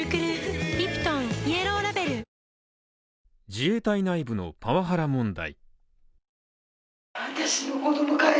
自衛隊内部のパワハラ問題。